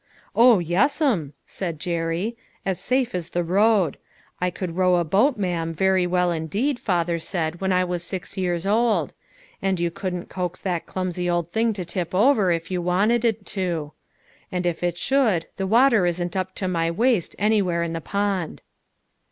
"O, yes'm," said Jerry, "as safe as the road. I could row a boat, ma'am, very well indeed, father said, when I was six years old ; and you couldn't coax that clumsy old thing to tip over, if you wanted it to ; and if it should, the water isn't up to my waist anywhere in the pond."